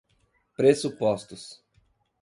pressupostos